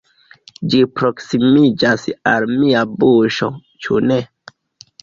Ĝi proksimiĝas al mia buŝo, ĉu ne?